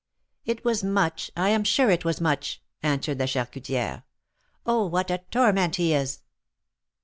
It was Much. I am sure it was Much !" answered the charcutihe, Oh ! what a torment he is."